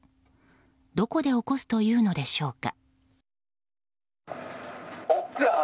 どこで起こすというのでしょうか。